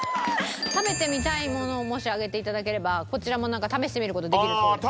食べてみたいものをもし挙げていただければこちらもなんか試してみる事できるそうです。